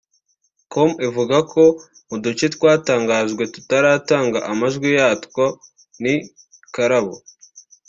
com ivuga ko mu duce twatangajwe tutaratanga amajwi yatwo ni Kalabo